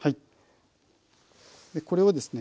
これをですね